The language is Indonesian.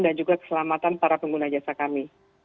dan juga keselamatan para pengguna jasa kami